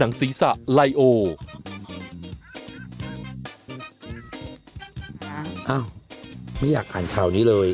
อ้าวไม่อยากอ่านข่าวนี้เลย